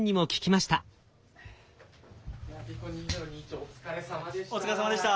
お疲れさまでした。